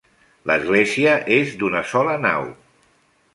L'església és d'una sola nau.